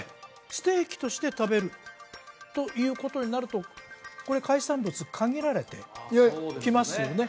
ステーキとして食べるということになるとこれ海産物限られてきますよね